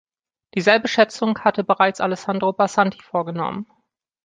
Dieselbe Schätzung hatte bereits Alessandro Barsanti vorgenommen.